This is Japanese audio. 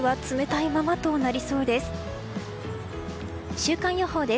週間予報です。